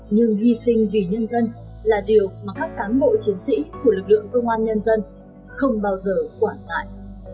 nhưng hy sinh vì nhân dân là điều mà các cán bộ chiến sĩ của lực lượng công an nhân dân không bao giờ quản ngại